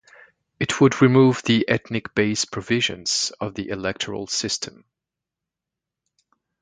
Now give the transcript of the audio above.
It would remove the ethnic-based provisions of the electoral system.